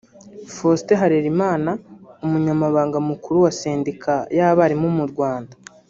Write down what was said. Faustin Harerimana umunyamabanga muru wa Sendika y’abarimu mu Rwanda